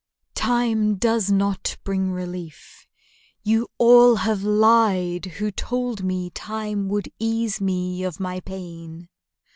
II Time does not bring relief; you all have lied Who told me time would ease me of my pain!